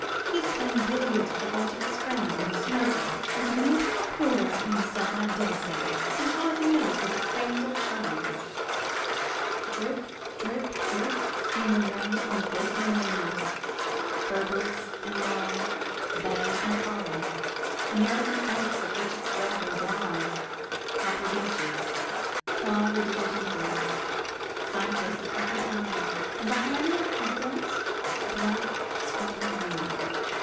He is playing billiards with a lot of his friends, and smoking, and making a horror of himself, I daresay, and hardly knows whether it rains or shines." Drip, drip, drip, came the rain on the glistening leaves, berberis and laurel, bay and holly, American oaks of richest red and bronze, copper beeches, tall rhododendrons, cypress of every kind, and behind them a dense black screen of yew.